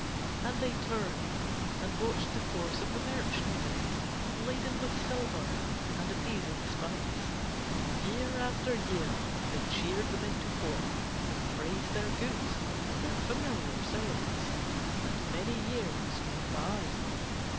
And they turned and watched the course of the merchant men, laden with silver and appeasing spice; year after year they cheered them into port and praised their goods and their familiar sails. And many years went by.